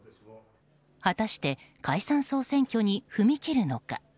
果たして解散・総選挙に踏み切るのか。